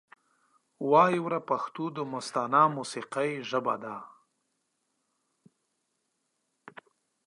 وایې وره پښتو دمستانه موسیقۍ ژبه ده